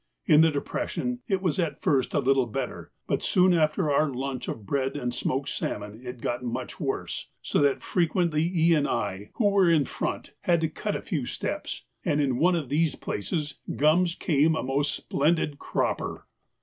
In the depression it was at first a little better, but soon after our lunch of bread and smoked salmon it got much worse, so that frequently E. and I, who were in front, had to cut a few steps, and in one of these places Gums came a most splendid cropper.